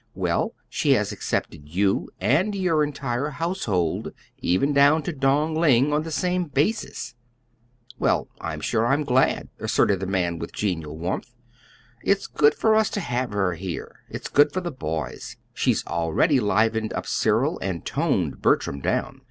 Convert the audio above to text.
Well, she has accepted you and your entire household, even down to Dong Ling, on the same basis." "Well, I'm sure I'm glad," asserted the man with genial warmth. "It's good for us to have her here. It's good for the boys. She's already livened Cyril up and toned Bertram down.